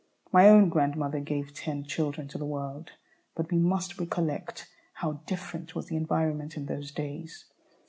My own grandmother gave ten children to the world. But we must recollect how different was the environment in those days.